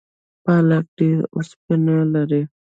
پالک ډیره اوسپنه لري